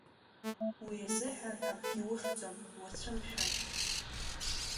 Уи азыҳәан акгьы ухьӡом, уацәымшәан!